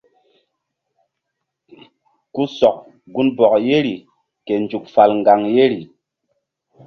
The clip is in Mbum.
Ku sɔk gunbɔk yeri ke nzuk fal ŋgaŋ yeri.